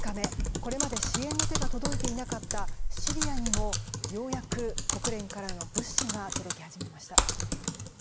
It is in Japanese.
これまで、支援の手が届いていなかったシリアにもようやく国連からの物資が届き始めました。